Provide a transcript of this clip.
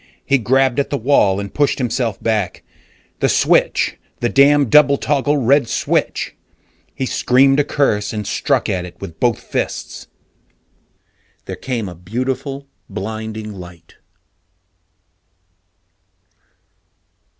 He grabbed at the wall and pushed himself back. The switch the damn double toggle red switch! He screamed a curse and struck at it with both fists. There came a beautiful, blinding light.